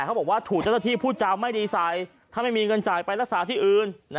เขาบอกว่าถูกเจ้าหน้าที่พูดจาไม่ดีใส่ถ้าไม่มีเงินจ่ายไปรักษาที่อื่น